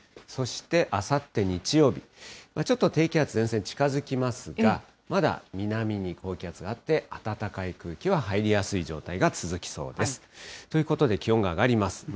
そして、あさって日曜日、ちょっと低気圧、前線近づきますが、まだ南に高気圧があって、暖かい空気は入りやすい状態が続きそうです。ということで気温が上がります。